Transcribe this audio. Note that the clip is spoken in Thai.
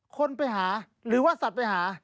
คนไปหาหรือว่าสัตว์ไปหา